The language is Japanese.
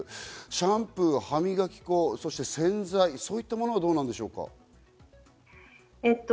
シャンプー、歯磨き粉、洗剤、そういったものはどうなんでしょうか？